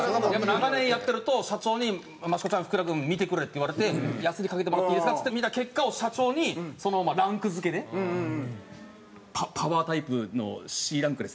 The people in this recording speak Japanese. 長年やってると社長に「益子ちゃん福田君見てくれ」って言われて「やすりかけてもらっていいですか」っつって結果を社長にそのままランク付けで「パワータイプのＣランクですね」とか。